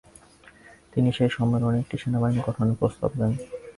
তিনি সেই সম্মেলনে একটি সেনাবাহিনী গঠনের প্রস্তাব দেন।